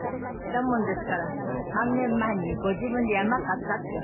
だもんですから３年前にご自分で山買ったって。